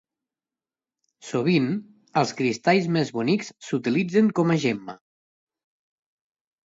Sovint, els cristalls més bonics s'utilitzen com a gemma.